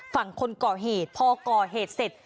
ฝั่งคนก่อเหตุพอก่อเหตุเสร็จ